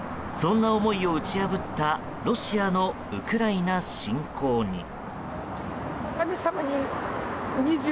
そんな思いを打ち破ったロシアのウクライナ侵攻に。